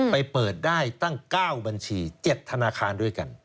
ไปเปิดได้ตั้ง๙บัญชี๗ธนาคารด้วยกัน